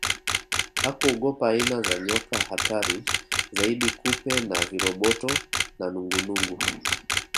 Hakuogopa aina za nyoka hatari zaidi kupe na viroboto na nungunungu